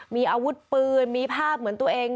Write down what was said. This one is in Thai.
มีอาวุธปืนมีภาพเหมือนตัวเอง